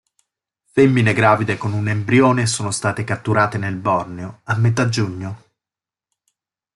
Femmine gravide con un embrione sono state catturate nel Borneo a metà giugno.